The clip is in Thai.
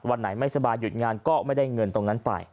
วันไหนไม่สบายหยุดงานก็ไม่ได้เงินตรงนั้นไป